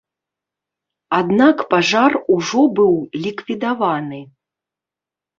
Аднак пажар ужо быў ліквідаваны.